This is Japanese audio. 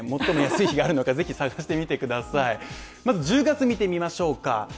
まず１０月見てみましょうか？